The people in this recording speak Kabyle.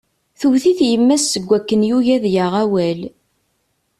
Tewwet-it yemma-s seg wakken yugi ad yaɣ awal.